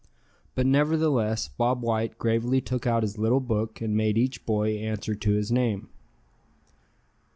But nevertheless Bob White gravely took out his little book, and made each boy answer to his name.